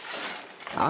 dan juga hutan produksi